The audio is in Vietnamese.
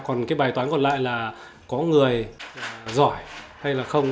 còn cái bài toán còn lại là có người giỏi hay là không